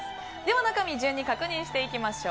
中身を順に確認していきましょう。